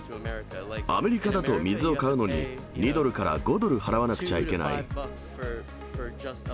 アメリカだと水を買うのに、２ドルから５ドル払わなくちゃいけない。